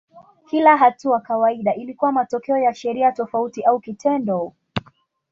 Kila hatua kawaida ilikuwa matokeo ya sheria tofauti au kitendo.